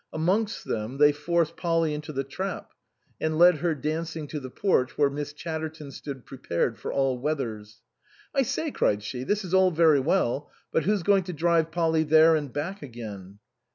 Amongst them they forced Polly into the trap, and led her dancing to the porch where Miss Chatterton stood pre pared for all weathers. " I say," cried she, " this is all very well ; but who's going to drive Polly there and back again?"